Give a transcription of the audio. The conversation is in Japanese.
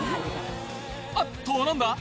あっと何だ？